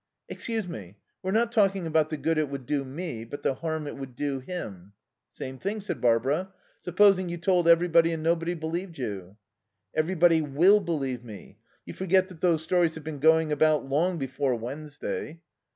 "Excuse me, we're not talking about the good it would do me, but the harm it would do him." "Same thing," said Barbara. "Supposing you told everybody and nobody believed you?" "Everybody will believe me. You forget that those stories have been going about long before Wednesday."